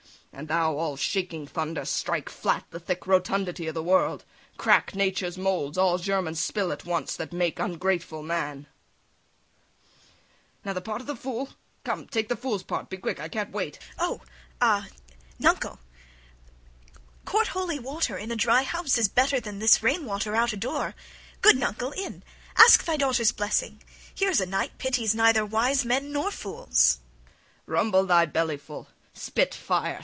And thou, all shaking thunder, Strike flat the thick rotundity o' the world! Crack nature's moulds, all germons spill at once That make ungrateful man!" [Impatiently] Now, the part of the fool. [Stamps his foot] Come take the fool's part! Be quick, I can't wait! IVANITCH. [Takes the part of the fool] "O, Nuncle, court holy water in a dry house is better than this rain water out o' door. Good Nuncle, in; ask thy daughter's blessing: here's a night pities neither wise men nor fools." SVIETLOVIDOFF. "Rumble thy bellyful! spit, fire!